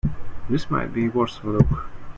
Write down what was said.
This might be worth a look.